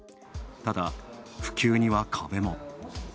ただ、普及には壁も。